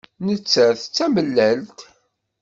Nettat d tamellalt.